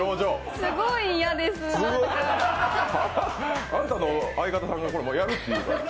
すごい嫌です、なんかあんたの相方さんがやるって言うから。